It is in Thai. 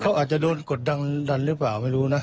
เขาอาจจะโดนกดดันหรือเปล่าไม่รู้นะ